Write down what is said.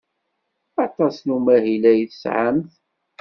Aṭas n umahil ay tesɛamt?